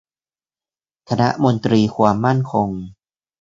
คณะมนตรีความมั่นคง